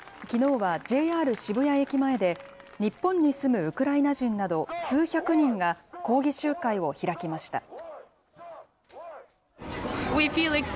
きのうはＪＲ渋谷駅前で、日本に住むウクライナ人など、数百人が抗議集会を開きました。